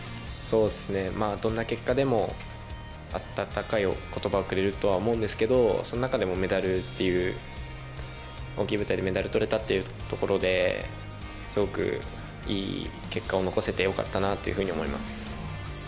どんな結果でも温かい言葉をくれるとは思うんですけどその中でもメダルという大きい舞台でメダルがとれたというところですごくいい結果を残せて良かったなというふうに思います。